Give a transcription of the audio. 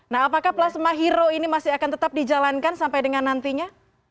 nah apakah plasma hero ini masih akan tetap dijalankan sampai dengan nantinya